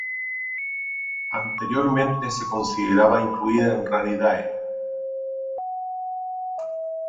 Anteriormente se consideraba incluida en Ranidae.